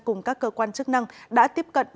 cùng các cơ quan chức năng đã tiếp cận